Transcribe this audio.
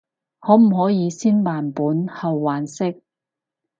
可唔可以先還本後還息？